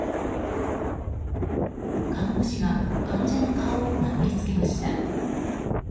看護師が患者の顔を殴りつけました。